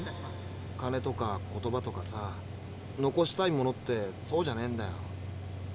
金とか言葉とか残したいものってそうじゃねえんだよ。